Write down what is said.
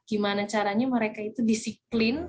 gimana caranya mereka itu disiplin